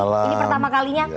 ini pertama kalinya